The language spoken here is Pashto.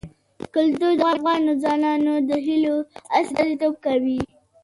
کلتور د افغان ځوانانو د هیلو استازیتوب کوي.